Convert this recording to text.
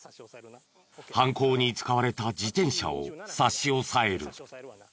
犯行に使われた自転車を差し押さえる。